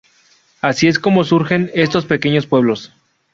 Así es como surgen estos pequeños pueblos.